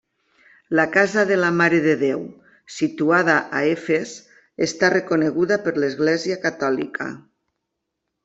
La Casa de la Mare de Déu, situada a Efes, està reconeguda per l'església catòlica.